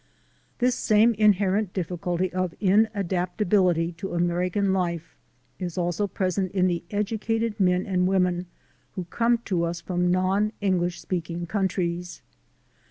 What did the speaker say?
This same inherent difficulty of inadaptability to American life is also present in the educated men and women who come to us from non English speak ing countries.